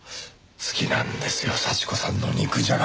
好きなんですよ幸子さんの肉じゃが！